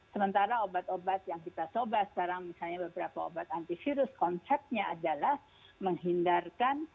sementara obat obat yang kita coba sekarang misalnya beberapa obat antivirus konsepnya adalah menghindarkan